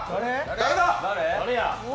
誰だ？